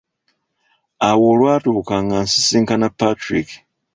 Awo olwatuuka nga nsisinkana Patrick.